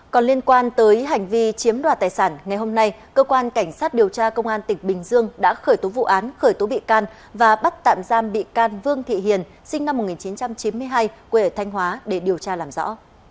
còn liên quan tới hành vi chiếm đoạt tài sản ngày hôm nay cơ quan cảnh sát điều tra công an tỉnh bình dương đã khởi tố vụ án khởi tố bị can và bắt tạm giam bị can vương thị hiền sinh năm một nghìn chín trăm chín mươi hai quê ở thanh hóa để điều tra làm rõ